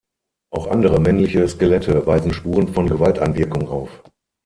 Auch andere männliche Skelette weisen Spuren von Gewalteinwirkung auf.